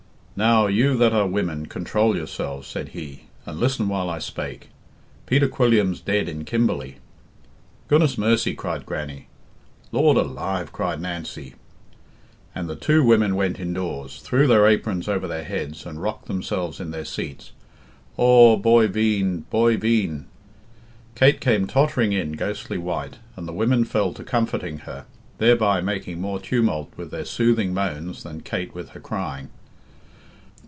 "Now, you that are women, control yourselves," said he, "and listen while I spake. Peter Quilliam's dead in Kimberley." "Goodness mercy!" cried Grannie. "Lord alive!" cried Nancy. And the two women went indoors, threw their aprons over their heads, and rocked themselves in their seats. "Aw boy veen! boy veen!" Kate came tottering in, ghostly white, and the women fell to comforting her, thereby making more tumult with their soothing moans than Kate with her crying.